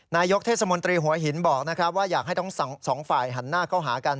นายกเทศมนตรีหัวหินบอกนะครับว่าอยากให้ทั้งสองฝ่ายหันหน้าเข้าหากัน